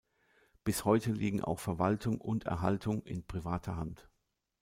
Bis heute liegen auch Verwaltung und Erhaltung in privater Hand.